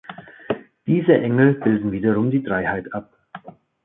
Diese Engel bilden wiederum die Dreiheit ab.